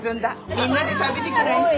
みんなで食べてけらい。